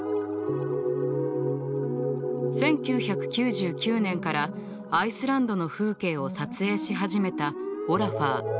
１９９９年からアイスランドの風景を撮影し始めたオラファー。